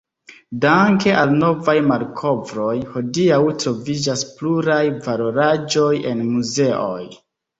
Danke al novaj malkovroj, hodiaŭ troviĝas pluraj valoraĵoj en muzeoj.